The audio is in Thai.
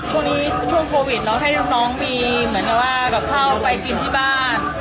ช่วงนี้ช่วงโควิดเนาะให้น้องมีเหมือนกับว่าแบบเข้าไปกินที่บ้าน